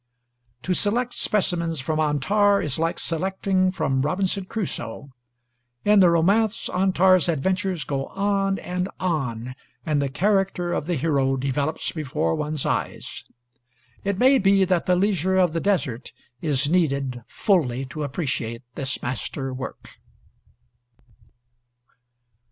To select specimens from 'Antar' is like selecting from 'Robinson Crusoe.' In the romance, Antar's adventures go on and on, and the character of the hero develops before one's eyes. It may be that the leisure of the desert is needed fully to appreciate this master work.